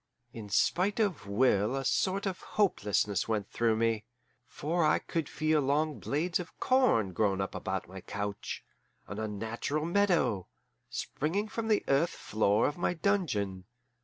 In spite of will a sort of hopelessness went through me, for I could feel long blades of corn grown up about my couch, an unnatural meadow, springing from the earth floor of my dungeon.